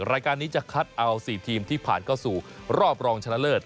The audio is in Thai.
รายการนี้จะคัดเอา๔ทีมที่ผ่านเข้าสู่รอบรองชนะเลิศ